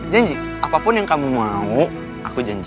janji apapun yang kamu mau aku janji